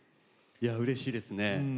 うれしいですね。